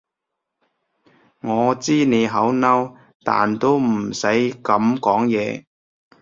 我知你好嬲，但都唔使噉講嘢